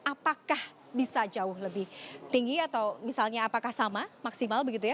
apakah bisa jauh lebih tinggi atau misalnya apakah sama maksimal begitu ya